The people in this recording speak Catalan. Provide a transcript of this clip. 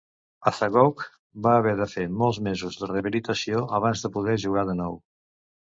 Azagough va haver de fer molts mesos de rehabilitació abans de poder jugar de nou.